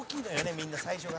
みんな、最初が。